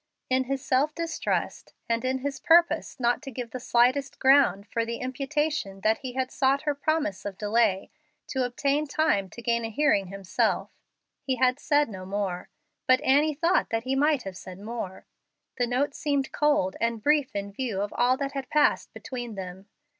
In his self distrust, and in his purpose not to give the slightest ground for the imputation that he had sought her promise of delay to obtain time to gain a hearing himself, he had said no more. But Annie thought that he might have said more. The note seemed cold and brief in view of all that had passed between them.